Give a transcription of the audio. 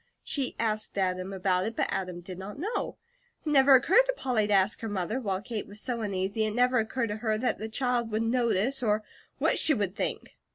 She asked Adam about it, but Adam did not know. It never occurred to Polly to ask her mother, while Kate was so uneasy it never occurred to her that the child would notice or what she would think.